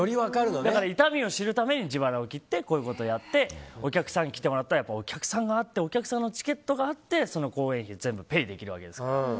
だから、痛みを知るために自腹を切ってこういうことをやってお客さんに来てもらったらお客さんがあってお客さんのチケットがあってその公演費を全部ペイできるわけですから。